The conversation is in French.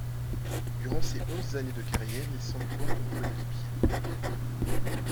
Durant ses onze années de carrière il s'emploie comme coéquipier.